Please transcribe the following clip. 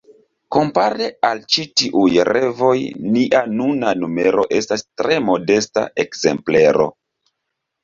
Kompare al ĉi tiuj revoj nia nuna numero estas tre modesta ekzemplero.